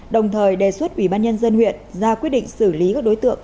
đồng thời đề xuất ủy ban nhân dân huyện ra quyết định xử lý các đối tượng